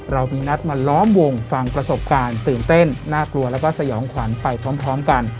เรามีนัดมาล้อมวงฟังประสบการณ์ตื่นเต้นน่ากลัวแล้วก็สยองขวัญไปพร้อมกัน